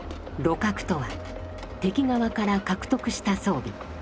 「鹵獲」とは敵側から獲得した装備。